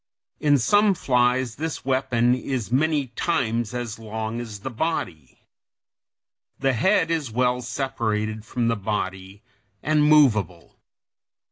In some flies this weapon is many times as long as the body. The head is well separated from the body, and movable.